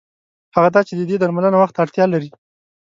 هغه دا چې د دې درملنه وخت ته اړتیا لري.